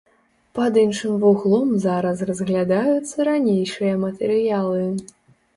Пад іншым вуглом зараз разглядаюцца ранейшыя матэрыялы.